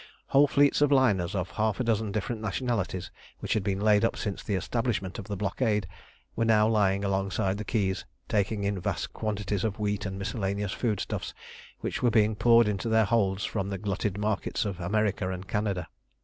Whole fleets of liners of half a dozen different nationalities, which had been laid up since the establishment of the blockade, were now lying alongside the quays, taking in vast quantities of wheat and miscellaneous food stuffs, which were being poured into their holds from the glutted markets of America and Canada.